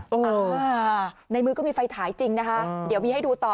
เออในมือก็มีไฟฉายจริงนะคะเดี๋ยวมีให้ดูต่อ